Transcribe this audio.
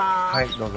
どうぞ。